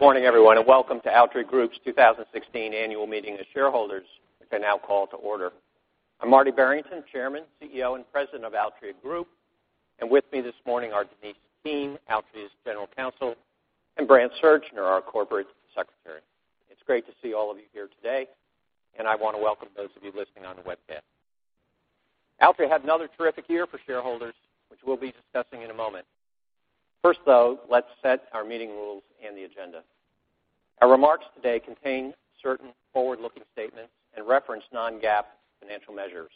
Good morning, everyone, welcome to Altria Group's 2016 Annual Meeting of Shareholders, which I now call to order. I'm Marty Barrington, Chairman, CEO, and President of Altria Group. With me this morning are Denise F. Keane, Altria's General Counsel, and Brandt Surgner, our Corporate Secretary. It's great to see all of you here today, and I want to welcome those of you listening on the webcast. Altria had another terrific year for shareholders, which we'll be discussing in a moment. First, though, let's set our meeting rules and the agenda. Our remarks today contain certain forward-looking statements and reference non-GAAP financial measures.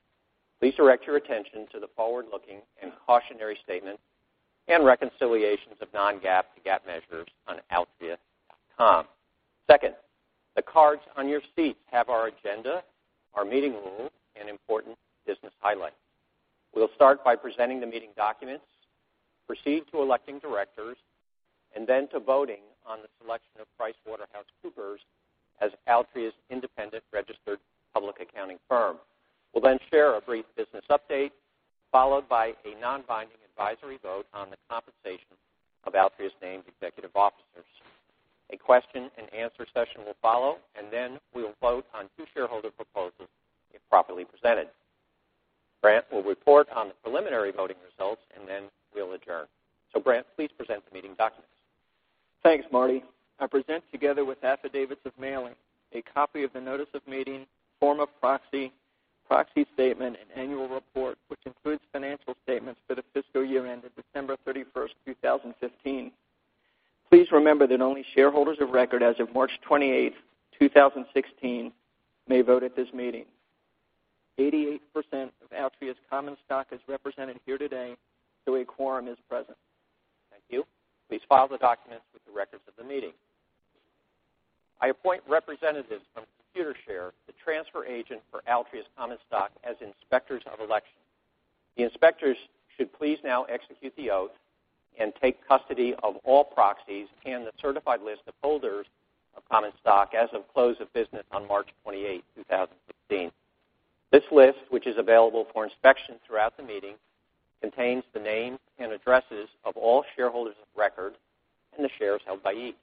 Please direct your attention to the forward-looking and cautionary statement and reconciliations of non-GAAP to GAAP measures on altria.com. Second, the cards on your seats have our agenda, our meeting rules, and important business highlights. We'll start by presenting the meeting documents, proceed to electing directors, and then to voting on the selection of PricewaterhouseCoopers as Altria's independent registered public accounting firm. We'll then share a brief business update, followed by a non-binding advisory vote on the compensation of Altria's named executive officers. A question-and-answer session will follow, and then we will vote on two shareholder proposals if properly presented. Brant will report on the preliminary voting results, and then we'll adjourn. Brant, please present the meeting documents. Thanks, Marty. I present, together with affidavits of mailing, a copy of the notice of meeting, form of proxy statement, and annual report, which includes financial statements for the fiscal year ended December 31st, 2015. Please remember that only shareholders of record as of March 28th, 2016, may vote at this meeting. 88% of Altria's common stock is represented here today, so a quorum is present. Thank you. Please file the documents with the records of the meeting. I appoint representatives from Computershare, the transfer agent for Altria's common stock, as inspectors of election. The inspectors should please now execute the oath and take custody of all proxies and the certified list of holders of common stock as of close of business on March 28th, 2016. This list, which is available for inspection throughout the meeting, contains the names and addresses of all shareholders of record and the shares held by each.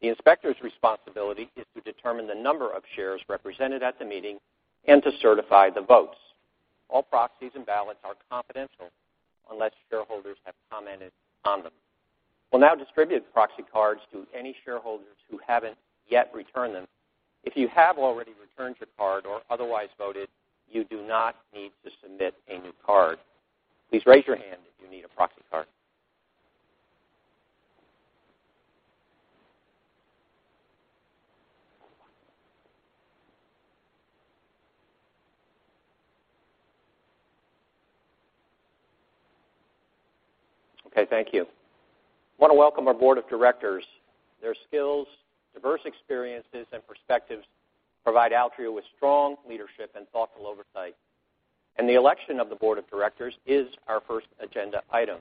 The inspector's responsibility is to determine the number of shares represented at the meeting and to certify the votes. All proxies and ballots are confidential unless shareholders have commented on them. We'll now distribute proxy cards to any shareholders who haven't yet returned them. If you have already returned your card or otherwise voted, you do not need to submit a new card. Please raise your hand if you need a proxy card. Okay, thank you. I want to welcome our board of directors. Their skills, diverse experiences, and perspectives provide Altria with strong leadership and thoughtful oversight. The election of the board of directors is our first agenda item.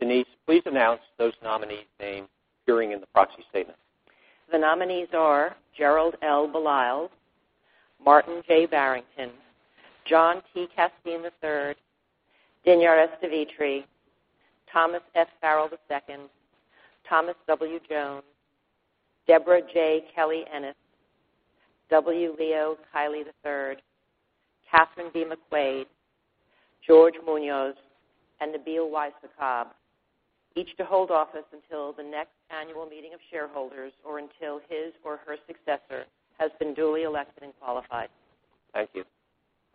Denise, please announce those nominees named appearing in the proxy statement. The nominees are Gerald L. Baliles, Martin J. Barrington, John T. Casteen III, Dinyar S. Devitre, Thomas F. Farrell II, Thomas W. Jones, Debra J. Kelly-Ennis, W. Leo Kiely III, Kathryn B. McQuade, George Muñoz, and Nabil Y. Sakkab. Each to hold office until the next annual meeting of shareholders, or until his or her successor has been duly elected and qualified. Thank you.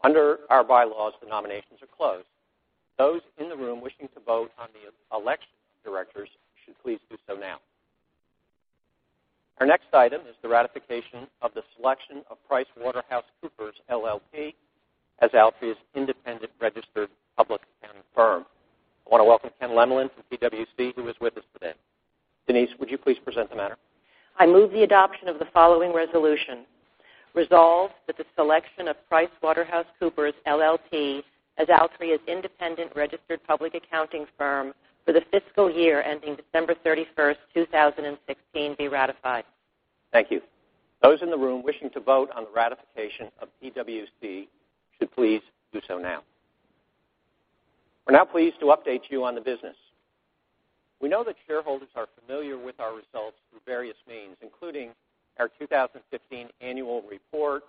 Under our bylaws, the nominations are closed. Those in the room wishing to vote on the election of directors should please do so now. Our next item is the ratification of the selection of PricewaterhouseCoopers LLP as Altria's independent registered public accounting firm. I want to welcome Ken Lemelin from PwC, who is with us today. Denise, would you please present the matter? I move the adoption of the following resolution. Resolved that the selection of PricewaterhouseCoopers LLP as Altria's independent registered public accounting firm for the fiscal year ending December 31st, 2016, be ratified. Thank you. Those in the room wishing to vote on the ratification of PwC should please do so now. We're now pleased to update you on the business. We know that shareholders are familiar with our results through various means, including our 2015 annual report,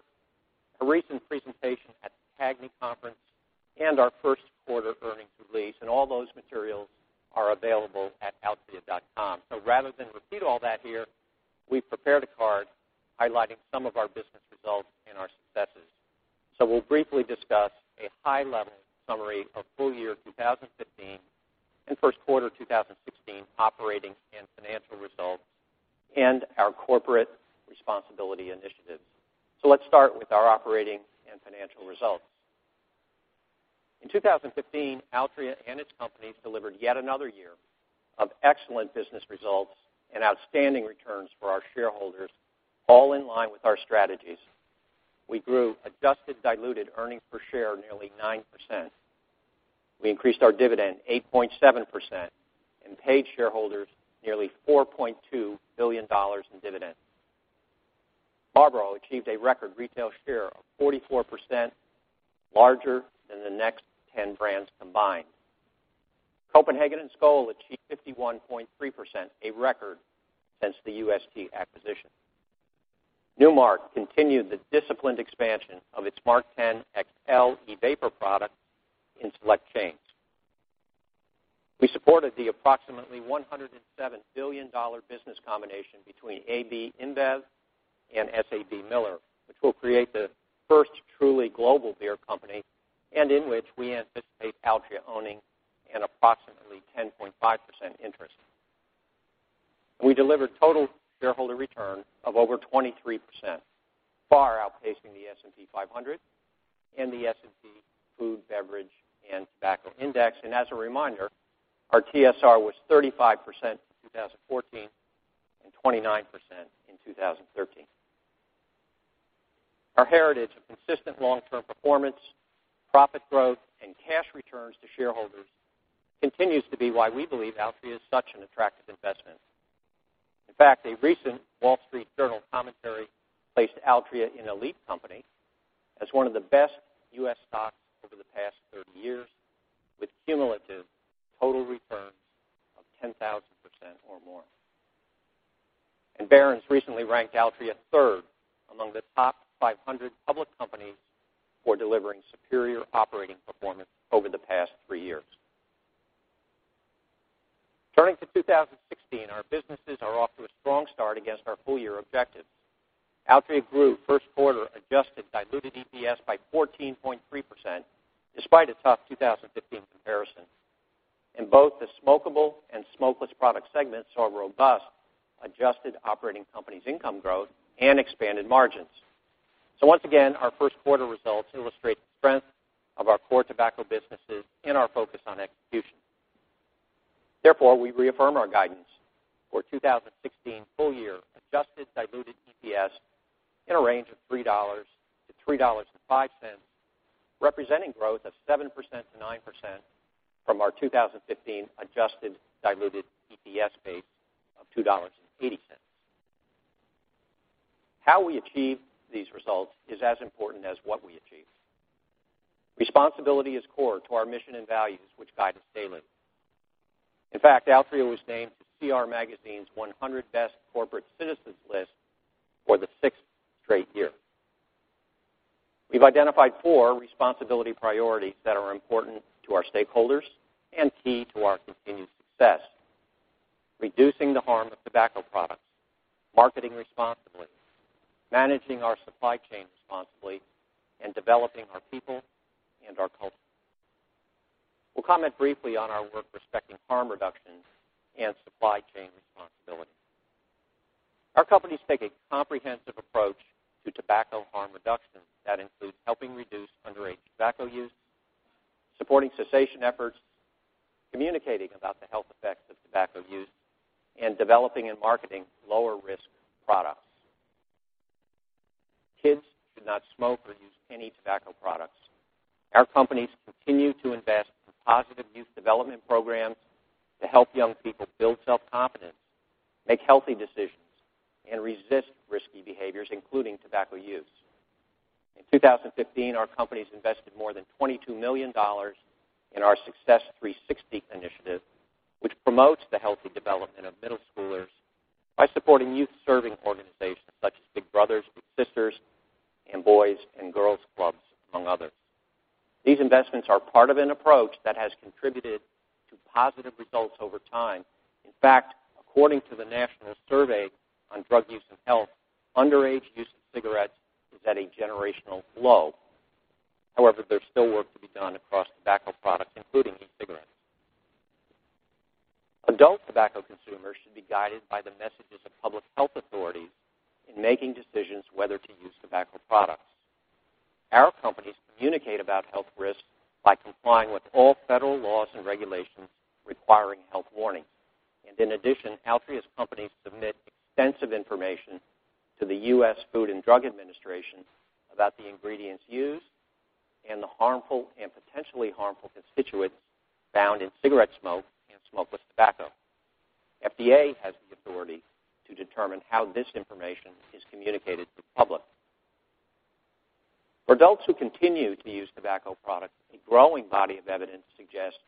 a recent presentation at the CAGNY conference, and our first quarter earnings release. All those materials are available at altria.com. Rather than repeat all that here, we've prepared a card highlighting some of our business results and our successes. We'll briefly discuss a high-level summary of full year 2015 and first quarter 2016 operating and financial results and our corporate responsibility initiatives. Let's start with our operating and financial results. In 2015, Altria and its companies delivered yet another year of excellent business results and outstanding returns for our shareholders, all in line with our strategies. We grew adjusted diluted earnings per share nearly 9%. We increased our dividend 8.7% and paid shareholders nearly $4.2 billion in dividends. Marlboro achieved a record retail share of 44%, larger than the next 10 brands combined. Copenhagen and Skoal achieved 51.3%, a record since the UST acquisition. Nu Mark continued the disciplined expansion of its MarkTen XL e-vapor product in select chains. We supported the approximately $107 billion business combination between AB InBev and SABMiller, which will create the first truly global beer company, and in which we anticipate Altria owning an approximately 10.5% interest. We delivered total shareholder return of over 23%, far outpacing the S&P 500 and the S&P 500 Food Beverage & Tobacco Index. As a reminder, our TSR was 35% in 2014 and 29% in 2013. Our heritage of consistent long-term performance, profit growth, and cash returns to shareholders continues to be why we believe Altria is such an attractive investment. In fact, a recent Wall Street Journal commentary placed Altria in elite company as one of the best U.S. stocks over the past 30 years, with cumulative total returns of 10,000% or more. Barron's recently ranked Altria third among the top 500 public companies for delivering superior operating performance over the past three years. Turning to 2016, our businesses are off to a strong start against our full-year objectives. Altria grew first quarter adjusted diluted EPS by 14.3%, despite a tough 2015 comparison. Both the smokable and smokeless product segments saw robust adjusted operating companies income growth and expanded margins. Once again, our first quarter results illustrate the strength of our core tobacco businesses and our focus on execution. Therefore, we reaffirm our guidance for 2016 full-year adjusted diluted EPS in a range of $3-$3.05, representing growth of 7%-9% from our 2015 adjusted diluted EPS base of $2.80. How we achieve these results is as important as what we achieve. Responsibility is core to our mission and values, which guide us daily. In fact, Altria was named CR Magazine's 100 Best Corporate Citizens List for the sixth straight year. We've identified four responsibility priorities that are important to our stakeholders and key to our continued success. Reducing the harm of tobacco products, marketing responsibly, managing our supply chain responsibly, and developing our people and our culture. We'll comment briefly on our work respecting harm reduction and supply chain responsibility. Our companies take a comprehensive approach to tobacco harm reduction that includes helping reduce underage tobacco use, supporting cessation efforts, communicating about the health effects of tobacco use, and developing and marketing lower risk products. Kids should not smoke or use any tobacco products. Our companies continue to invest in positive youth development programs to help young people build self-confidence, make healthy decisions, and resist risky behaviors, including tobacco use. In 2015, our companies invested more than $22 million in our Success360° initiative, which promotes the healthy development of middle schoolers by supporting youth serving organizations such as Big Brothers Big Sisters and Boys & Girls Clubs, among others. These investments are part of an approach that has contributed to positive results over time. According to the National Survey on Drug Use and Health, underage use of cigarettes is at a generational low. There's still work to be done across tobacco products, including e-cigarettes. Adult tobacco consumers should be guided by the messages of public health authorities in making decisions whether to use tobacco products. Our companies communicate about health risks by complying with all federal laws and regulations requiring health warnings. In addition, Altria's companies submit extensive information to the U.S. Food and Drug Administration about the ingredients used and the harmful and potentially harmful constituents found in cigarette smoke and smokeless tobacco. FDA has the authority to determine how this information is communicated to the public. For adults who continue to use tobacco products, a growing body of evidence suggests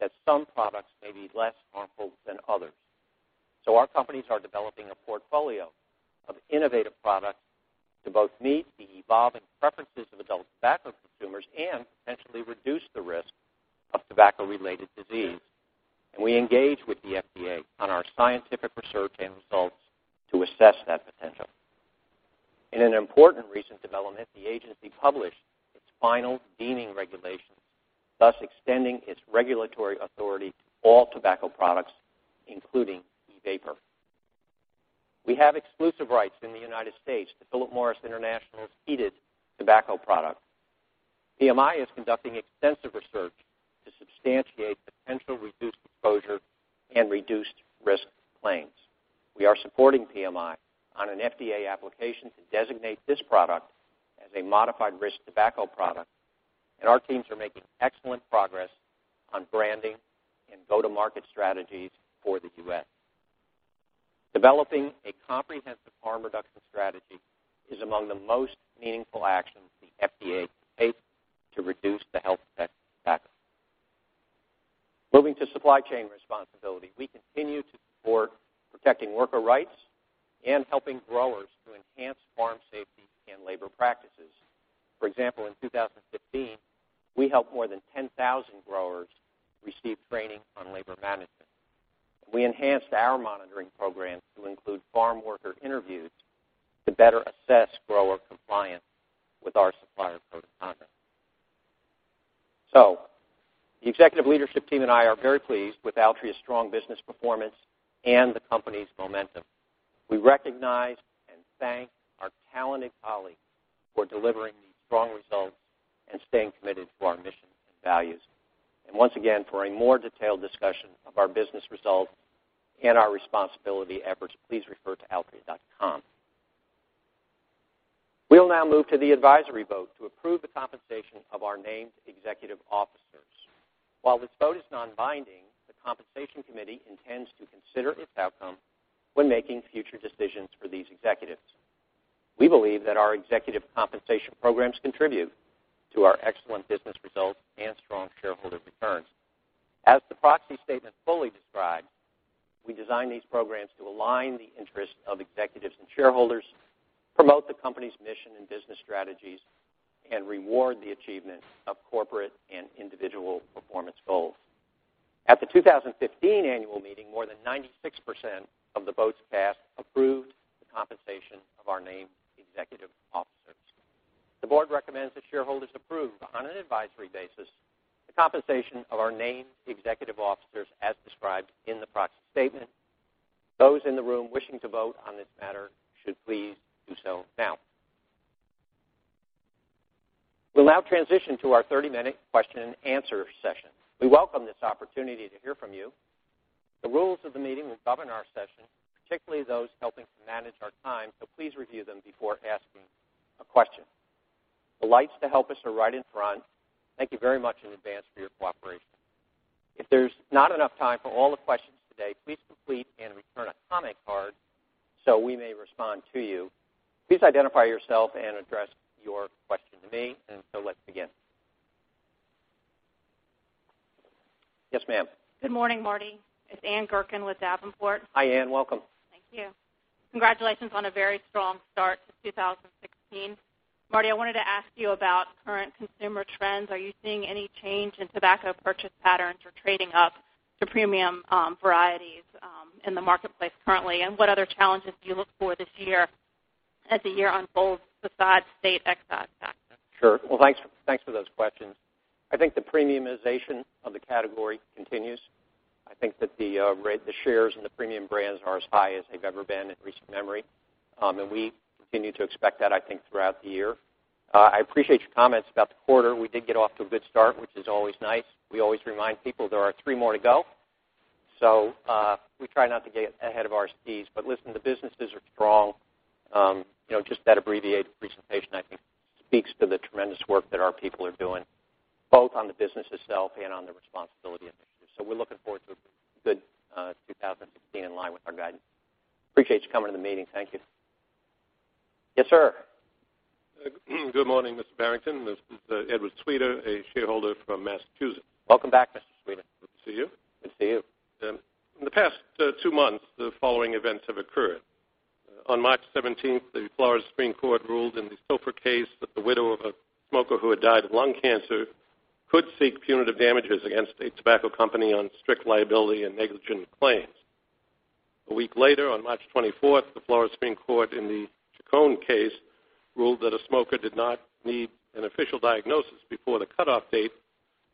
that some products may be less harmful than others. Our companies are developing a portfolio of innovative products to both meet the evolving preferences of adult tobacco consumers and potentially reduce the risk of tobacco-related disease. We engage with the FDA on our scientific research and results to assess that potential. In an important recent development, the agency published its final deeming regulation, thus extending its regulatory authority to all tobacco products, including e-vapor. We have exclusive rights in the United States to Philip Morris International's heated tobacco product. PMI is conducting extensive research to substantiate potential reduced exposure and reduced risk claims. We are supporting PMI on an FDA application to designate this product as a modified risk tobacco product, and our teams are making excellent progress on branding and go-to-market strategies for the U.S. Developing a comprehensive harm reduction strategy is among the most meaningful actions the FDA has taken to reduce the health effects of tobacco. Moving to supply chain responsibility. We continue to support protecting worker rights and helping growers to enhance farm safety and labor practices. For example, in 2015, we helped more than 10,000 growers receive training on labor management. We enhanced our monitoring programs to include farm worker interviews to better assess grower compliance with our supplier code of conduct. The executive leadership team and I are very pleased with Altria's strong business performance and the company's momentum. We recognize and thank our talented colleagues for delivering these strong results and staying committed to our mission and values. Once again, for a more detailed discussion of our business results and our responsibility efforts, please refer to altria.com. We'll now move to the advisory vote to approve the compensation of our named executive officers. While this vote is non-binding, the compensation committee intends to consider its outcome when making future decisions for these executives. We believe that our executive compensation programs contribute to our excellent business results and strong shareholder returns. As the proxy statement fully described, we designed these programs to align the interests of executives and shareholders, promote the company's mission and business strategies, and reward the achievement of corporate and individual performance goals. At the 2015 annual meeting, more than 96% of the votes cast approved the compensation of our named executive officers. The board recommends that shareholders approve, on an advisory basis, the compensation of our named executive officers as described in the proxy statement. Those in the room wishing to vote on this matter should please do so now. We'll now transition to our 30-minute question and answer session. We welcome this opportunity to hear from you. The rules of the meeting will govern our session, particularly those helping to manage our time, so please review them before asking a question. The lights to help us are right in front. Thank you very much in advance for your cooperation. If there's not enough time for all the questions today, please complete and return a comment card so we may respond to you. Please identify yourself and address your question to me. Let's begin. Yes, ma'am. Good morning, Marty. It's Ann Gurkin with Davenport. Hi, Ann. Welcome. Thank you. Congratulations on a very strong start to 2016. Marty, I wanted to ask you about current consumer trends. Are you seeing any change in tobacco purchase patterns or trading up to premium varieties in the marketplace currently? What other challenges do you look for this year as a year on both the side state excise tax? Sure. Well, thanks for those questions. I think the premiumization of the category continues. I think that the shares in the premium brands are as high as they've ever been in recent memory. We continue to expect that, I think, throughout the year. I appreciate your comments about the quarter. We did get off to a good start, which is always nice. We always remind people there are three more to go. We try not to get ahead of ourselves, but listen, the businesses are strong. Just that abbreviated presentation, I think, speaks to the tremendous work that our people are doing, both on the business itself and on the responsibility initiatives. We're looking forward to a good 2016 in line with our guidance. Appreciate you coming to the meeting. Thank you. Yes, sir. Good morning, Mr. Barrington. This is Edward Sweda, a shareholder from Massachusetts. Welcome back, Mr. Sweda. Good to see you. Good to see you. In the past two months, the following events have occurred. On March 17th, the Supreme Court of Florida ruled in the Soffer case that the widow of a smoker who had died of lung cancer could seek punitive damages against a tobacco company on strict liability and negligent claims. A week later, on March 24th, the Supreme Court of Florida in the Chacon case ruled that a smoker did not need an official diagnosis before the cutoff date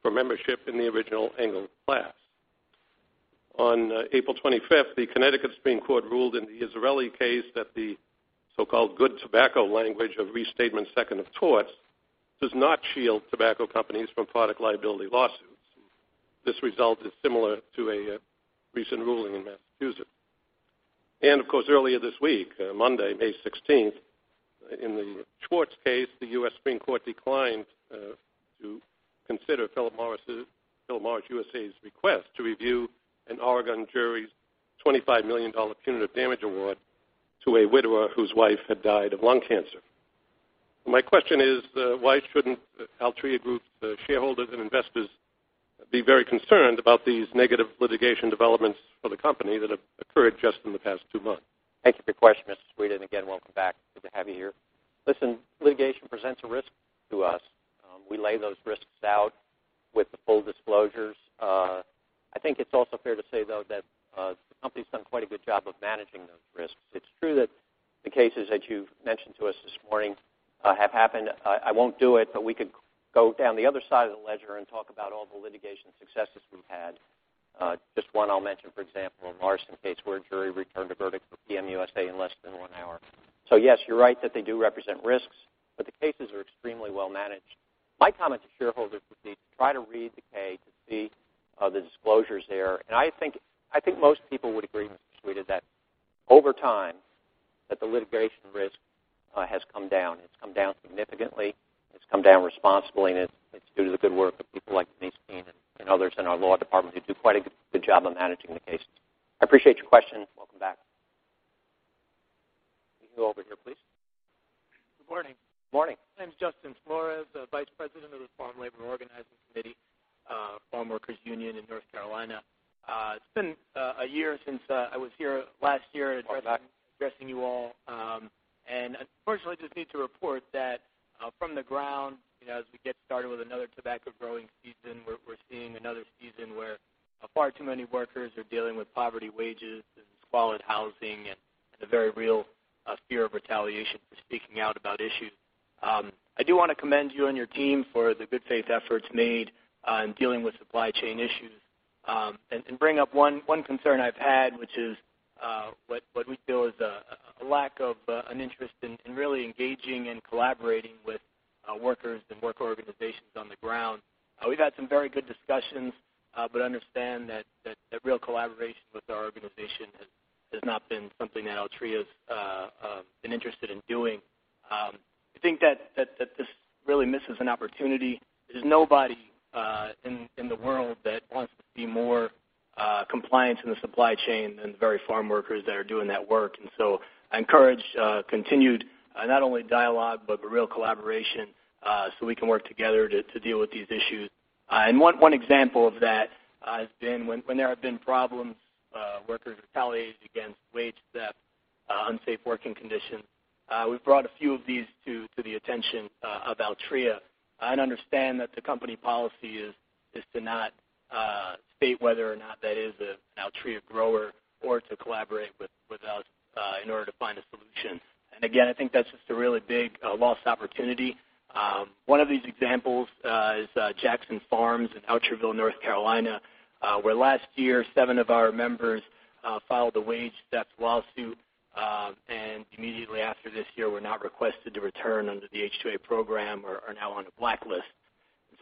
for membership in the original Engle class. On April 25th, the Connecticut Supreme Court ruled in the Izzarelli case that the so-called good tobacco language of Restatement (Second) of Torts does not shield tobacco companies from product liability lawsuits. This result is similar to a recent ruling in Massachusetts. Of course, earlier this week, Monday, May 16th, in the Schwarz case, the Supreme Court of the United States declined to consider Philip Morris USA's request to review an Oregon jury's $25 million punitive damage award to a widower whose wife had died of lung cancer. My question is, why shouldn't Altria Group shareholders and investors be very concerned about these negative litigation developments for the company that have occurred just in the past two months? Thank you for your question, Mr. Sweetum. Again, welcome back. Good to have you here. Listen, litigation presents a risk to us. We lay those risks out with the full disclosures. I think it's also fair to say, though, that the company's done quite a good job of managing those risks. It's true that the cases that you've mentioned to us this morning have happened. I won't do it, but we could go down the other side of the ledger and talk about all the litigation successes we've had. Just one I'll mention, for example, the Larsen case, where a jury returned a verdict for PM USA in less than one hour. Yes, you're right that they do represent risks, but the cases are extremely well managed. My comment to shareholders would be to try to read the K to see the disclosures there. I think most people would agree, Mr. Sweetum, that Over time, the litigation risk has come down. It's come down significantly. It's come down responsibly, and it's due to the good work of people like Denise Keane and others in our law department, who do quite a good job of managing the cases. I appreciate your question. Welcome back. You over here, please. Good morning. Morning. My name is Justin Flores, the Vice President of the Farm Labor Organizing Committee, Farm Workers Union in North Carolina. It's been a year since I was here last year. Welcome back Addressing you all. Unfortunately, just need to report that from the ground, as we get started with another tobacco-growing season, we're seeing another season where far too many workers are dealing with poverty wages, and squalid housing, and the very real fear of retaliation for speaking out about issues. I do want to commend you and your team for the good faith efforts made in dealing with supply chain issues. Bring up one concern I've had, which is what we feel is a lack of an interest in really engaging and collaborating with workers and work organizations on the ground. We've had some very good discussions, but understand that real collaboration with our organization has not been something that Altria's been interested in doing. I think that this really misses an opportunity. There's nobody in the world that wants to be more compliant in the supply chain than the very farm workers that are doing that work. I encourage continued, not only dialogue, but real collaboration, so we can work together to deal with these issues. One example of that has been when there have been problems, workers retaliated against, wage theft, unsafe working conditions. We've brought a few of these to the attention of Altria. I understand that the company policy is to not state whether or not that is an Altria grower or to collaborate with us in order to find a solution. Again, I think that's just a really big lost opportunity. One of these examples is Jackson Farms in Autryville, North Carolina, where last year, seven of our members filed a wage theft lawsuit. Immediately after this year, were not requested to return under the H-2A program, are now on a blacklist.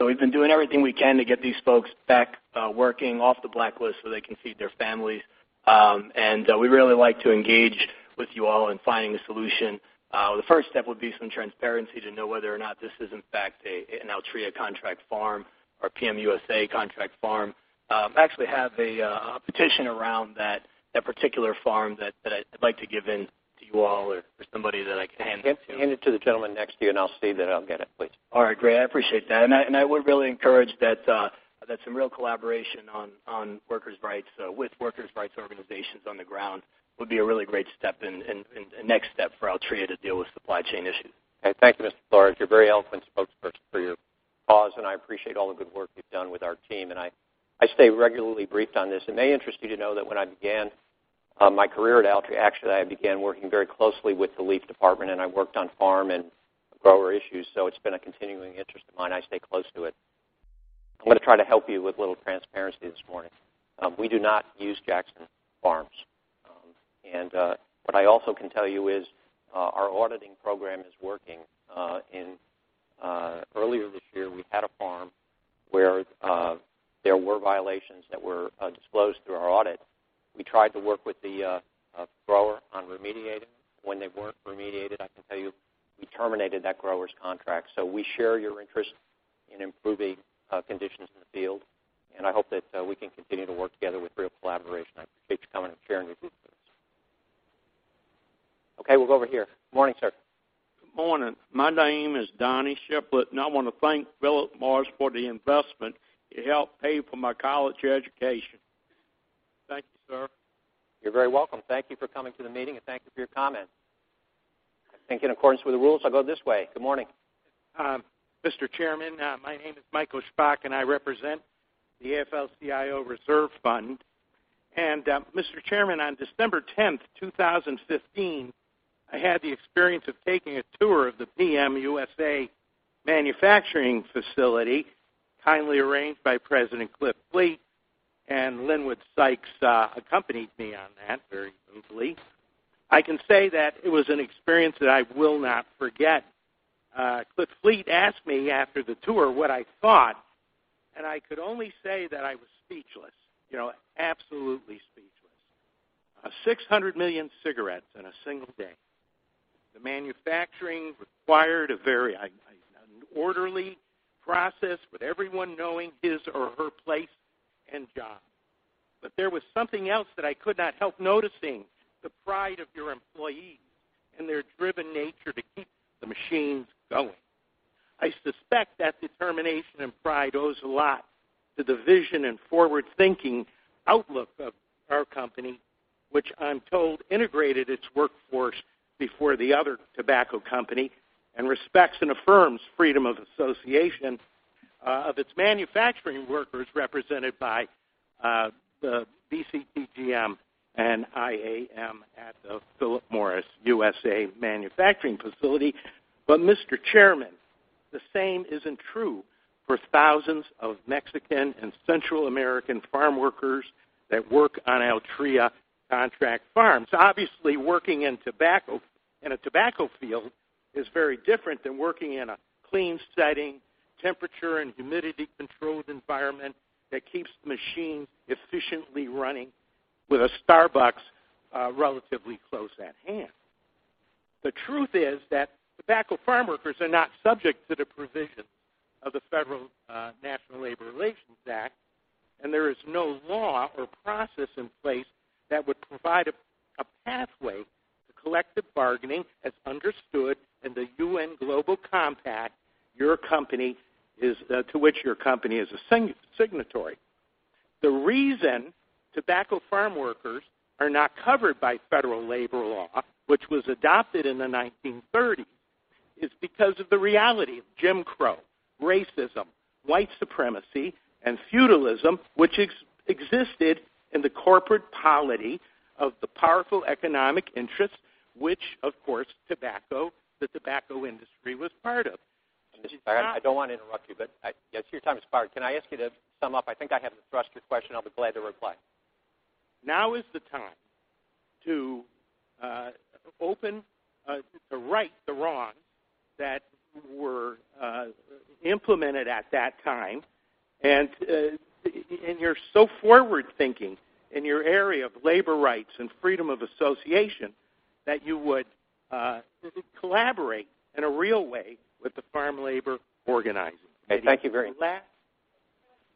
We've been doing everything we can to get these folks back working, off the blacklist so they can feed their families. We'd really like to engage with you all in finding a solution. The first step would be some transparency to know whether or not this is, in fact, an Altria contract farm or PM USA contract farm. I actually have a petition around that particular farm that I'd like to give in to you all or somebody that I can hand it to. Hand it to the gentleman next to you. I'll see that I'll get it, please. All right, great. I appreciate that. I would really encourage that some real collaboration on workers' rights with workers' rights organizations on the ground would be a really great step and next step for Altria to deal with supply chain issues. Thank you, Mr. Flores. You're a very eloquent spokesperson for your cause. I appreciate all the good work you've done with our team. I stay regularly briefed on this. It may interest you to know that when I began my career at Altria, actually, I began working very closely with the leaf department. I worked on farm and grower issues. It's been a continuing interest of mine. I stay close to it. I'm going to try to help you with a little transparency this morning. We do not use Jackson Farms. What I also can tell you is our auditing program is working. Earlier this year, we had a farm where there were violations that were disclosed through our audit. We tried to work with the grower on remediating. When they weren't remediated, I can tell you, we terminated that grower's contract. We share your interest in improving conditions in the field. I hope that we can continue to work together with real collaboration. I appreciate you coming and sharing your group with us. Okay, we'll go over here. Morning, sir. Good morning. My name is Donnie Shiplet, I want to thank Philip Morris for the investment. It helped pay for my college education. Thank you, sir. You're very welcome. Thank you for coming to the meeting, thank you for your comment. I think in accordance with the rules, I'll go this way. Good morning. Mr. Chairman, my name is Michael Szpak, I represent the AFL-CIO Reserve Fund. Mr. Chairman, on December 10th, 2015, I had the experience of taking a tour of the PM USA manufacturing facility, kindly arranged by President Cliff Fleet, Linwood Sykes accompanied me on that very beautifully. I can say that it was an experience that I will not forget. Cliff Fleet asked me after the tour what I thought, I could only say that I was speechless. Absolutely speechless. 600 million cigarettes in a single day. The manufacturing required a very orderly process with everyone knowing his or her place and job. There was something else that I could not help noticing, the pride of your employees and their driven nature to keep the machines going. I suspect that determination and pride owes a lot to the vision and forward-thinking outlook of our company, which I'm told integrated its workforce before the other tobacco company and respects and affirms freedom of association of its manufacturing workers, represented by the BCTGM and IAM at the Philip Morris USA manufacturing facility. Mr. Chairman, the same isn't true for thousands of Mexican and Central American farm workers that work on Altria contract farms. Obviously, working in a tobacco field is very different than working in a clean setting Temperature and humidity-controlled environment that keeps the machine efficiently running with a Starbucks relatively close at hand. The truth is that tobacco farm workers are not subject to the provision of the Federal National Labor Relations Act, there is no law or process in place that would provide a pathway to collective bargaining as understood in the UN Global Compact, to which your company is a signatory. The reason tobacco farm workers are not covered by federal labor law, which was adopted in the 1930s, is because of the reality of Jim Crow, racism, white supremacy, and feudalism, which existed in the corporate polity of the powerful economic interests, which, of course, the tobacco industry was part of. Mr. Shpak, I don't want to interrupt you, but your time has expired. Can I ask you to sum up? I think I have the thrust of your question. I'll be glad to reply. Now is the time to right the wrongs that were implemented at that time, you're so forward-thinking in your area of labor rights and freedom of association that you would collaborate in a real way with the Farm Labor Organizing. Thank you very much. The last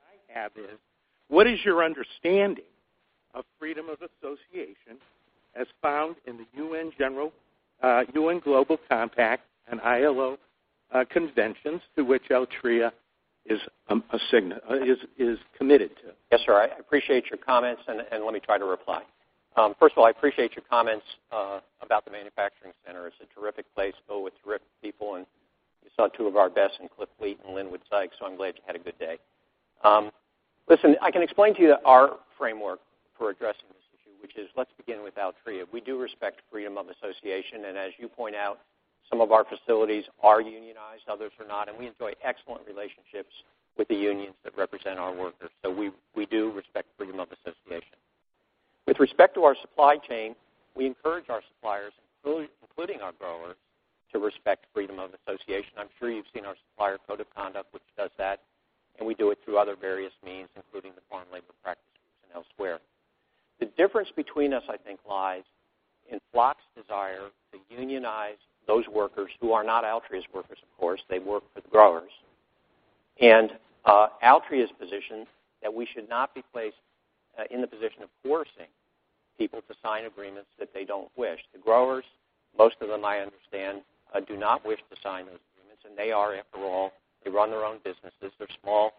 question I have is, what is your understanding of freedom of association as found in the UN Global Compact and ILO conventions to which Altria is committed to? Yes, sir. I appreciate your comments. Let me try to reply. First of all, I appreciate your comments about the manufacturing center. It's a terrific place filled with terrific people, and you saw two of our best in Cliff Fleet and Linwood Sykes, so I'm glad you had a good day. Listen, I can explain to you our framework for addressing this issue, which is, let's begin with Altria. We do respect freedom of association. As you point out, some of our facilities are unionized, others are not, and we enjoy excellent relationships with the unions that represent our workers. We do respect freedom of association. With respect to our supply chain, we encourage our suppliers, including our growers, to respect freedom of association. I'm sure you've seen our supplier code of conduct which does that. We do it through other various means, including the Farm Labor Practices and elsewhere. The difference between us, I think, lies in FLOC's desire to unionize those workers who are not Altria's workers, of course. They work for the growers. Altria's position that we should not be placed in the position of forcing people to sign agreements that they don't wish. The growers, most of them, I understand, do not wish to sign those agreements, and they are, after all, they run their own businesses. They're small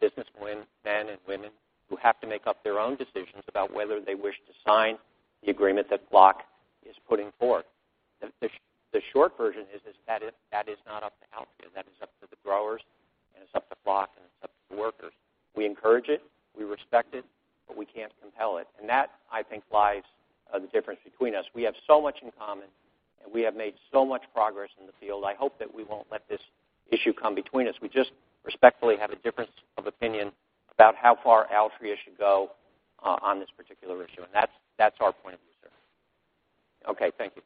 business men and women who have to make up their own decisions about whether they wish to sign the agreement that FLOC is putting forth. The short version is that is not up to Altria, that is up to the growers, and it's up to FLOC, and it's up to the workers. We encourage it, we respect it, but we can't compel it. That, I think, lies the difference between us. We have so much in common, and we have made so much progress in the field. I hope that we won't let this issue come between us. We just respectfully have a difference of opinion about how far Altria should go on this particular issue, and that's our point of view, sir. Okay, thank you.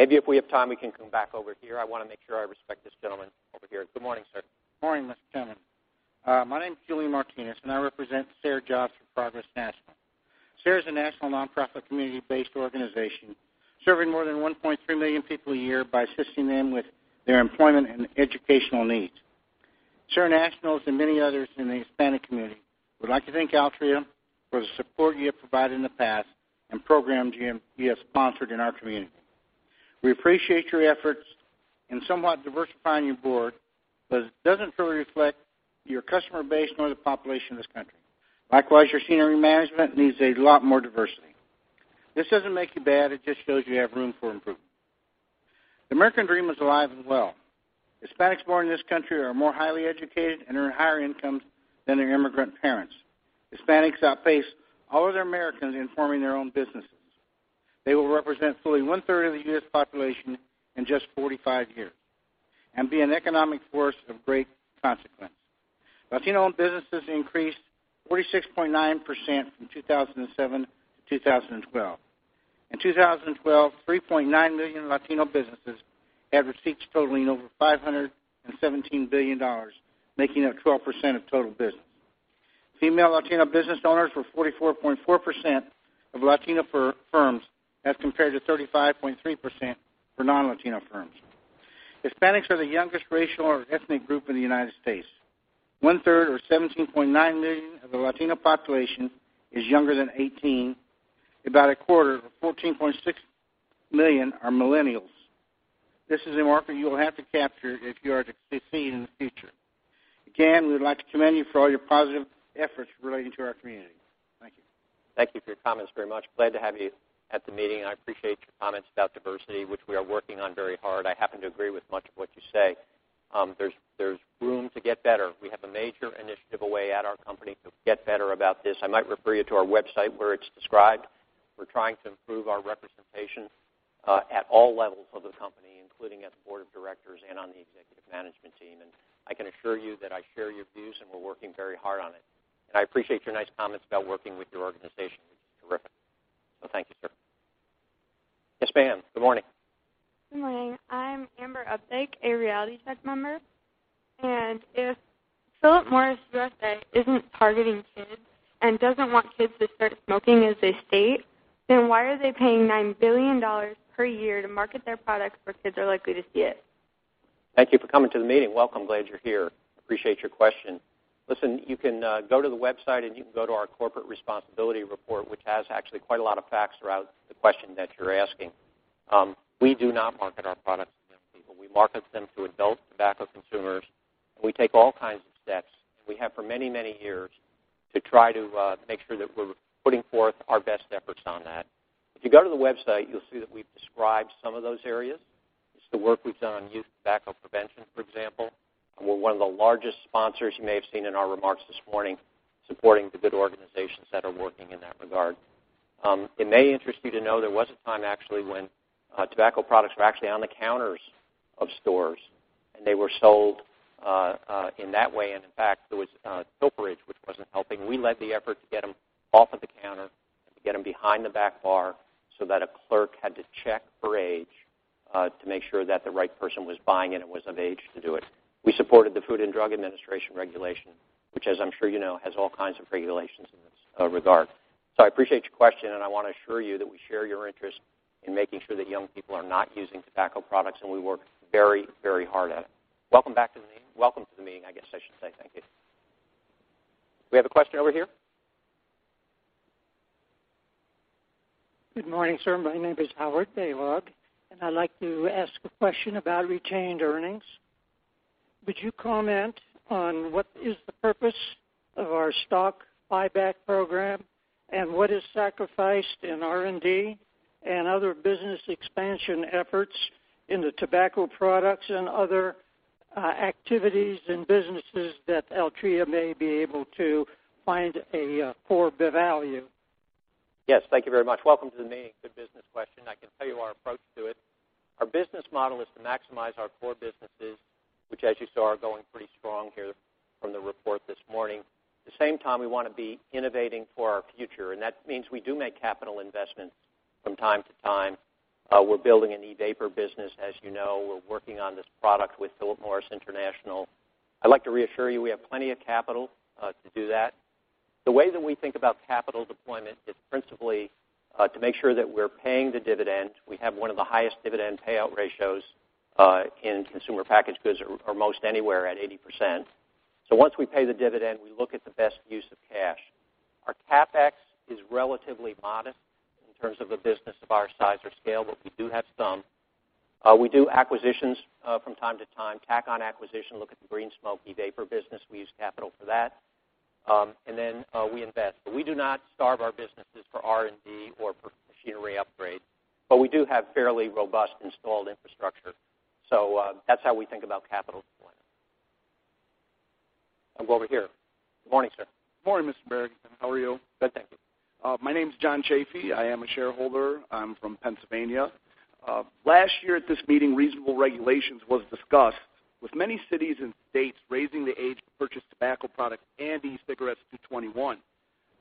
Maybe if we have time, we can come back over here. I want to make sure I respect this gentleman over here. Good morning, sir. Morning, Mr. Chairman. My name is Julian Martinez, and I represent SER Jobs for Progress National. SER is a national non-profit community-based organization serving more than 1.3 million people a year by assisting them with their employment and educational needs. SER National and many others in the Hispanic community would like to thank Altria for the support you have provided in the past and programs you have sponsored in our community. We appreciate your efforts in somewhat diversifying your board, but it doesn't fully reflect your customer base nor the population of this country. Likewise, your senior management needs a lot more diversity. This doesn't make you bad. It just shows you have room for improvement. The American dream is alive and well. Hispanics born in this country are more highly educated and earn higher incomes than their immigrant parents. Hispanics outpace all other Americans in forming their own businesses. They will represent fully one-third of the U.S. population in just 45 years and be an economic force of great consequence. Latino-owned businesses increased 46.9% from 2007 to 2012. In 2012, 3.9 million Latino businesses had receipts totaling over $517 billion, making up 12% of total business. Female Latino business owners were 44.4% of Latino firms as compared to 35.3% for non-Latino firms. Hispanics are the youngest racial or ethnic group in the U.S. One-third, or 17.9 million, of the Latino population is younger than 18. About a quarter, or 14.6 million, are Millennials. This is a market you'll have to capture if you are to succeed in the future. Again, we would like to commend you for all your positive efforts relating to our community. Thank you. Thank you for your comments very much. I am glad to have you at the meeting. I appreciate your comments about diversity, which we are working on very hard. I happen to agree with much of what you say. There's room to get better. We have a major initiative away at our company to get better about this. I might refer you to our website where it's described. We're trying to improve our representation at all levels of the company, including at the board of directors and on the executive management team. I can assure you that I share your views, and we're working very hard on it. I appreciate your nice comments about working with your organization, which is terrific. Thank you, sir. Yes, ma'am. Good morning. Good morning. I'm Amber Updike, a Reality Check member. If Philip Morris USA isn't targeting kids and doesn't want kids to start smoking, as they state, then why are they paying $9 billion per year to market their products where kids are likely to see it? Thank you for coming to the meeting. Welcome. Glad you're here. Appreciate your question. Listen, you can go to the website, and you can go to our corporate responsibility report, which has actually quite a lot of facts throughout the question that you're asking. We do not market our products to young people. We market them to adult tobacco consumers. We take all kinds of steps, and we have for many years, to try to make sure that we're putting forth our best efforts on that. If you go to the website, you'll see that we've described some of those areas. It's the work we've done on youth tobacco prevention, for example. We're one of the largest sponsors, you may have seen in our remarks this morning, supporting the good organizations that are working in that regard. It may interest you to know there was a time actually, when tobacco products were actually on the counters of stores, and they were sold in that way. In fact, there was pilferage, which wasn't helping. We led the effort to get them off of the counter and to get them behind the back bar so that a clerk had to check for age to make sure that the right person was buying it and was of age to do it. We supported the Food and Drug Administration regulation, which, as I'm sure you know, has all kinds of regulations in this regard. I appreciate your question, and I want to assure you that we share your interest in making sure that young people are not using tobacco products, and we work very hard at it. Welcome back to the meeting. Welcome to the meeting, I guess I should say. Thank you. Do we have a question over here? Good morning, sir. My name is Howard Balog, and I'd like to ask a question about retained earnings. Would you comment on what is the purpose of our stock buyback program, and what is sacrificed in R&D and other business expansion efforts in the tobacco products and other activities and businesses that Altria may be able to find a core value? Yes, thank you very much. Welcome to the meeting. Good business question. I can tell you our approach to it. Our business model is to maximize our core businesses, which, as you saw, are going pretty strong here from the report this morning. At the same time, we want to be innovating for our future. That means we do make capital investments from time to time. We're building an e-vapor business. As you know, we're working on this product with Philip Morris International. I'd like to reassure you we have plenty of capital to do that. The way that we think about capital deployment is principally to make sure that we're paying the dividend. We have one of the highest dividend payout ratios in consumer packaged goods or most anywhere at 80%. Once we pay the dividend, we look at the best use of cash. Our CapEx is relatively modest in terms of a business of our size or scale. We do have some. We do acquisitions from time to time. Tack on acquisition. Look at the Green Smoke e-vapor business. We use capital for that. Then we invest. We do not starve our businesses for R&D or for machinery upgrades. We do have fairly robust installed infrastructure. That's how we think about capital deployment. Over here. Good morning, sir. Good morning, Martin Barrington. How are you? Good, thank you. My name is John Chaffee. I am a shareholder. I'm from Pennsylvania. Last year at this meeting, reasonable regulations was discussed with many cities and states raising the age to purchase tobacco products and e-cigarettes to 21.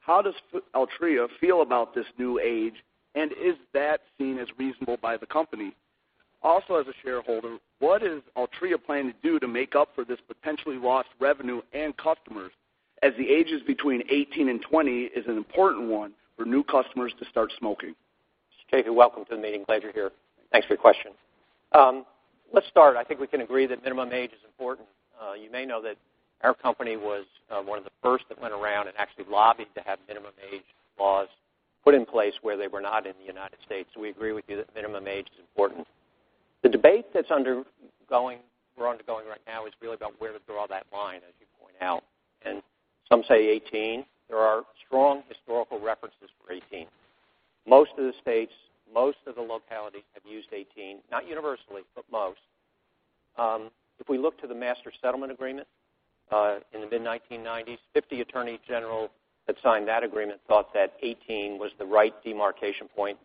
How does Altria feel about this new age, and is that seen as reasonable by the company? Also, as a shareholder, what is Altria planning to do to make up for this potentially lost revenue and customers, as the ages between 18 and 20 is an important one for new customers to start smoking? Chaffee, welcome to the meeting. Glad you're here. Thanks for your question. Let's start. I think we can agree that minimum age is important. You may know that our company was one of the first that went around and actually lobbied to have minimum age laws put in place where they were not in the U.S. We agree with you that minimum age is important. The debate that's undergoing right now is really about where to draw that line, as you point out. Some say 18. There are strong historical references for 18. Most of the states, most of the localities have used 18. Not universally, but most. If we look to the Master Settlement Agreement in the mid-1990s, 50 attorney generals that signed that agreement thought that 18 was the right demarcation point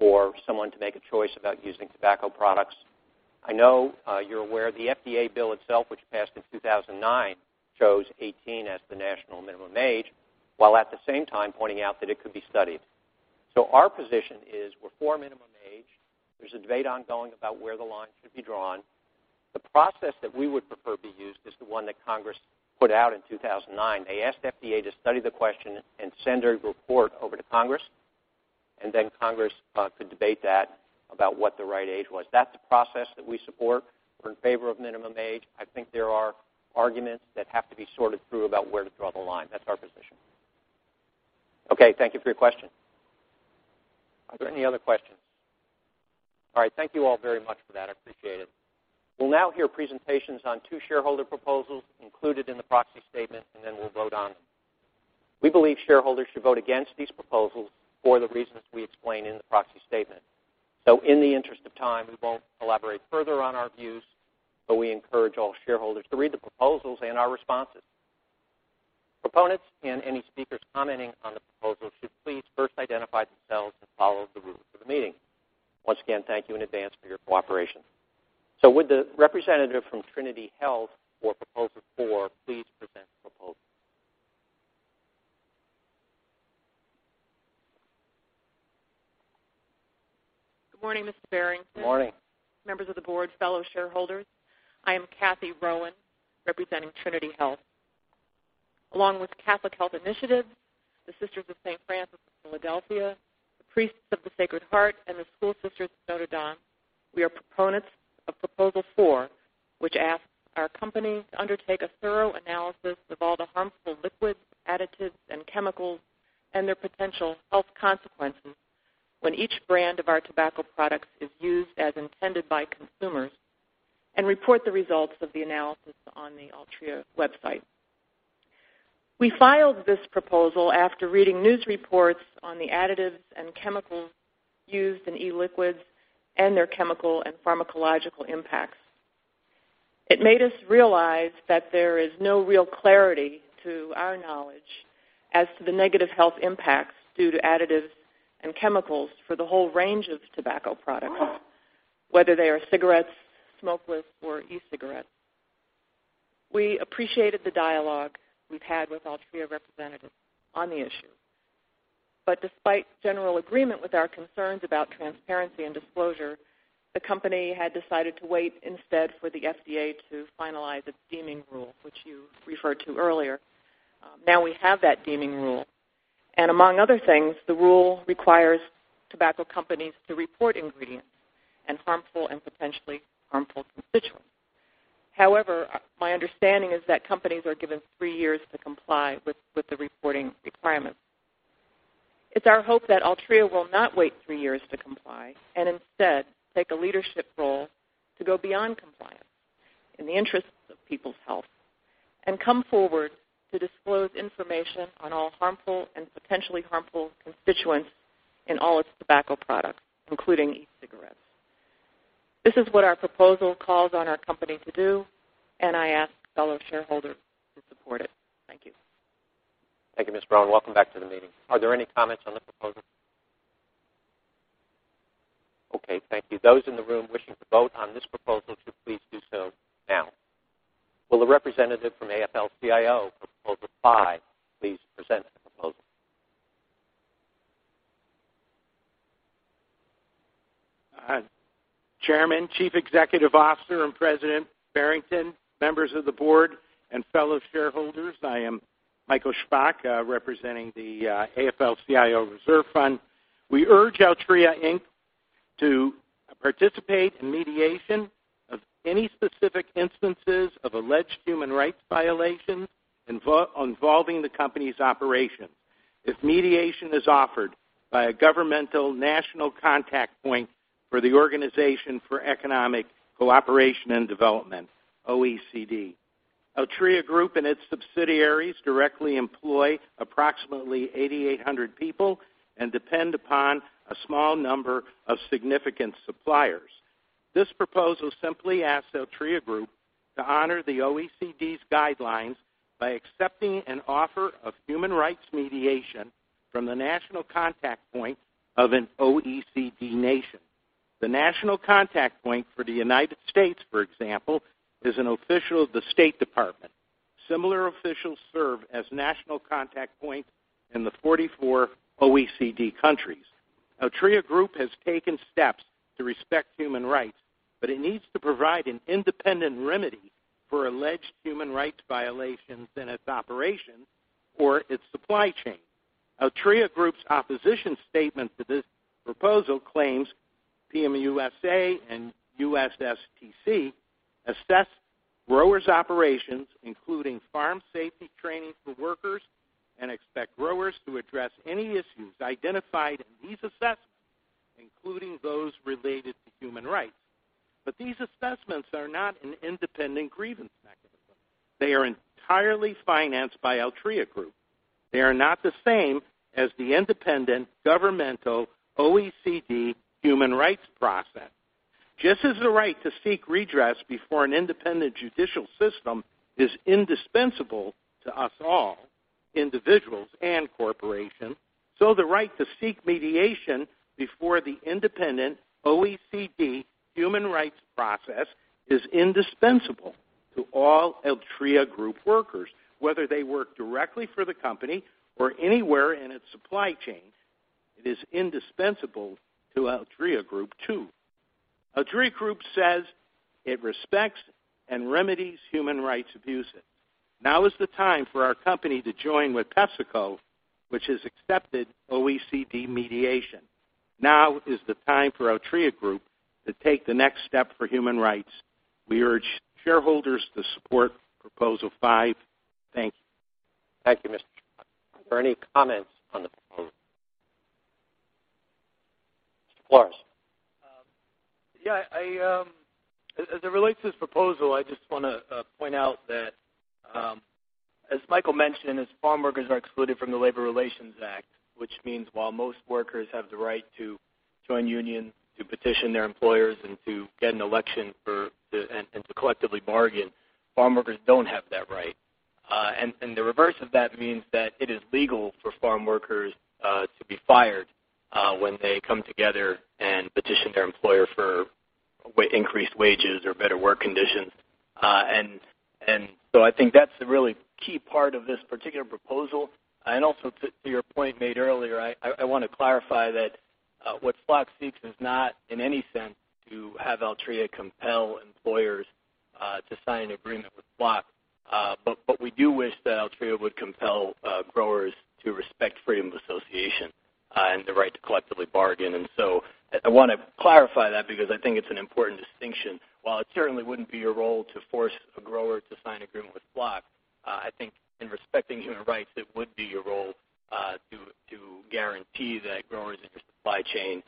for someone to make a choice about using tobacco products. I know you're aware the FDA bill itself, which passed in 2009, chose 18 as the national minimum age, while at the same time pointing out that it could be studied. Our position is we're for minimum age. There's a debate ongoing about where the line should be drawn. The process that we would prefer be used is the one that Congress put out in 2009. They asked FDA to study the question and send a report over to Congress, and then Congress could debate that about what the right age was. That's the process that we support. We're in favor of minimum age. I think there are arguments that have to be sorted through about where to draw the line. That's our position. Okay, thank you for your question. Are there any other questions? All right. Thank you all very much for that. I appreciate it. We'll now hear presentations on two shareholder proposals included in the proxy statement, and then we'll vote on them. We believe shareholders should vote against these proposals for the reasons we explain in the proxy statement. In the interest of time, we won't elaborate further on our views, but we encourage all shareholders to read the proposals and our responses. Proponents and any speakers commenting on the proposal should please first identify themselves and follow the rules of the meeting. Once again, thank you in advance for your cooperation. Would the representative from Trinity Health for proposal four please present the proposal? Good morning, Mr. Barrington. Good morning. Members of the board, fellow shareholders. I am Cathy Rowan, representing Trinity Health. Along with Catholic Health Initiatives, the Sisters of Saint Francis of Philadelphia, the Priests of the Sacred Heart, and the School Sisters of Notre Dame, we are proponents of proposal four, which asks our company to undertake a thorough analysis of all the harmful liquids, additives, and chemicals, and their potential health consequences when each brand of our tobacco products is used as intended by consumers, and report the results of the analysis on the Altria website. We filed this proposal after reading news reports on the additives and chemicals used in e-liquids and their chemical and pharmacological impacts. It made us realize that there is no real clarity, to our knowledge, as to the negative health impacts due to additives and chemicals for the whole range of tobacco products, whether they are cigarettes, smokeless, or e-cigarettes. We appreciated the dialogue we've had with Altria representatives on the issue. Despite general agreement with our concerns about transparency and disclosure, the company had decided to wait instead for the FDA to finalize its deeming rule, which you referred to earlier. Now we have that deeming rule. Among other things, the rule requires tobacco companies to report ingredients and harmful and potentially harmful constituents. However, my understanding is that companies are given three years to comply with the reporting requirements. It's our hope that Altria will not wait three years to comply, and instead, take a leadership role to go beyond compliance in the interests of people's health and come forward to disclose information on all harmful and potentially harmful constituents in all its tobacco products, including e-cigarettes. This is what our proposal calls on our company to do. I ask fellow shareholders to support it. Thank you. Thank you, Ms. Rowan. Welcome back to the meeting. Are there any comments on the proposal? Okay, thank you. Those in the room wishing to vote on this proposal should please do so now. Will the representative from AFL-CIO, proposal five, please present the proposal? Chairman, Chief Executive Officer, and President Barrington, members of the board, and fellow shareholders, I am Michael Shpak representing the AFL-CIO Reserve Fund. We urge Altria Inc. to participate in mediation of any specific instances of alleged human rights violations involving the company's operations if mediation is offered by a governmental national contact point for the Organisation for Economic Co-operation and Development, OECD. Altria Group and its subsidiaries directly employ approximately 8,800 people and depend upon a small number of significant suppliers. This proposal simply asks Altria Group to honor the OECD's guidelines by accepting an offer of human rights mediation from the national contact point of an OECD nation. The national contact point for the U.S., for example, is an official of the State Department. Similar officials serve as national contact points in the 44 OECD countries. Altria Group has taken steps to respect human rights, but it needs to provide an independent remedy for alleged human rights violations in its operations or its supply chain. Altria Group's opposition statement to this proposal claims PM USA and USTC assess growers' operations, including farm safety training for workers, and expect growers to address any issues identified in these assessments, including those related to human rights. These assessments are not an independent grievance mechanism. They are entirely financed by Altria Group. They are not the same as the independent governmental OECD human rights process. Just as the right to seek redress before an independent judicial system is indispensable to us all, individuals and corporations, so the right to seek mediation before the independent OECD human rights process is indispensable to all Altria Group workers, whether they work directly for the company or anywhere in its supply chain. It is indispensable to Altria Group, too. Altria Group says it respects and remedies human rights abuses. Now is the time for our company to join with PepsiCo, which has accepted OECD mediation. Now is the time for Altria Group to take the next step for human rights. We urge shareholders to support proposal five. Thank you. Thank you, Mr. Shpak. Are there any comments on the proposal? Mr. Flores. Yeah. As it relates to this proposal, I just want to point out that, as Michael mentioned, farm workers are excluded from the Labor Relations Act, which means while most workers have the right to join unions, to petition their employers, and to get an election, and to collectively bargain, farm workers don't have that right. The reverse of that means that it is legal for farm workers to be fired when they come together and petition their employer for increased wages or better work conditions. I think that's a really key part of this particular proposal. Also to your point made earlier, I want to clarify that what FLOC seeks is not, in any sense, to have Altria compel employers to sign an agreement with FLOC. We do wish that Altria would compel growers to respect freedom of association and the right to collectively bargain. I want to clarify that because I think it's an important distinction. While it certainly wouldn't be your role to force a grower to sign an agreement with FLOC, I think in respecting human rights, it would be your role to guarantee that growers in your supply chain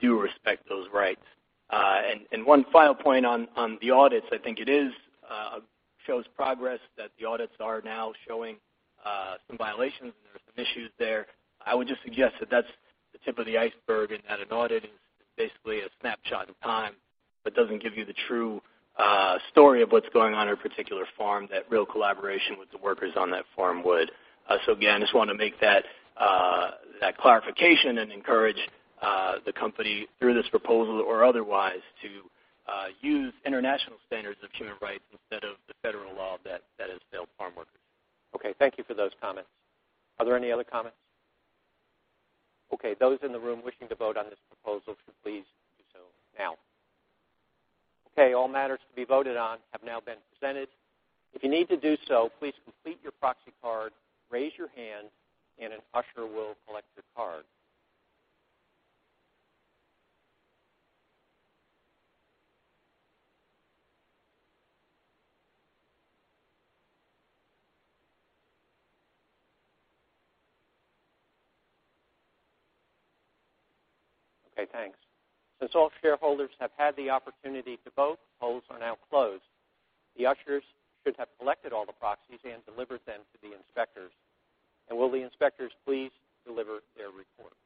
do respect those rights. One final point on the audits, I think it shows progress that the audits are now showing some violations, and there are some issues there. I would just suggest that that's the tip of the iceberg and that an audit is basically a snapshot in time but doesn't give you the true story of what's going on at a particular farm, that real collaboration with the workers on that farm would. Again, I just want to make that clarification and encourage the company through this proposal or otherwise to use international standards of human rights instead of the federal law that has failed farm workers. Thank you for those comments. Are there any other comments? Those in the room wishing to vote on this proposal should please do so now. All matters to be voted on have now been presented. If you need to do so, please complete your proxy card, raise your hand, and an usher will collect your card. Thanks. Since all shareholders have had the opportunity to vote, polls are now closed. The ushers should have collected all the proxies and delivered them to the inspectors. Will the inspectors please deliver their report?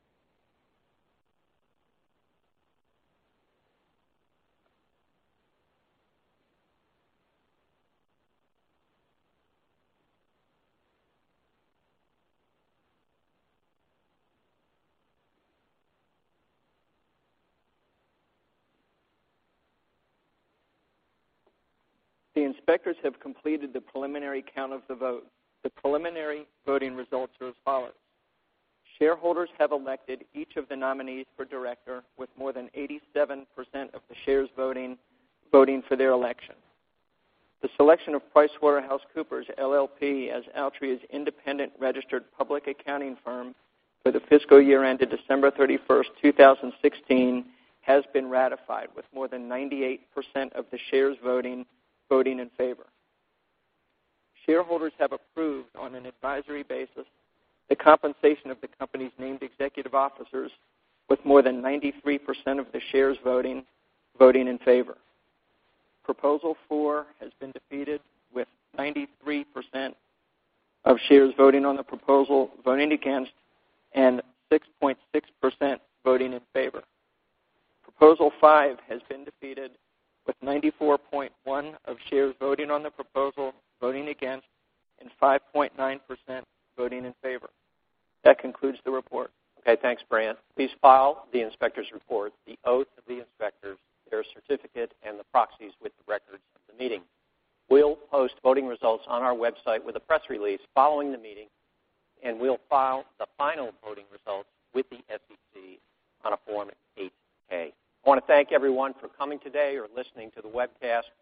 The inspectors have completed the preliminary count of the vote. The preliminary voting results are as follows. Shareholders have elected each of the nominees for director with more than 87% of the shares voting for their election. The selection of PricewaterhouseCoopers LLP as Altria's independent registered public accounting firm for the fiscal year ended December 31, 2016, has been ratified with more than 98% of the shares voting in favor. Shareholders have approved, on an advisory basis, the compensation of the company's named executive officers with more than 93% of the shares voting in favor. Proposal four has been defeated with 93% of shares voting on the proposal voting against and 6.6% voting in favor. Proposal five has been defeated with 94.1% of shares voting on the proposal voting against and 5.9% voting in favor. That concludes the report. Okay, thanks, Brandt. Please file the inspector's report, the oath of the inspectors, their certificate, and the proxies with the records of the meeting. We'll post voting results on our website with a press release following the meeting, and we'll file the final voting results with the SEC on a Form 8-K. I want to thank everyone for coming today or listening to the webcast,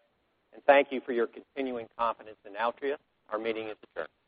and thank you for your continuing confidence in Altria. Our meeting is adjourned.